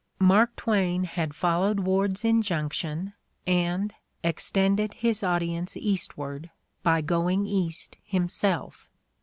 Mark Twain had followed "Ward's injunction and "extended his audience east ward" by going East himself.